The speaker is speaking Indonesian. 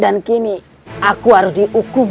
batas perjanjianku dengannya sudah habisnya